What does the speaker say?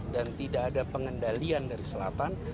dan tidak ada pengendalian dari selatan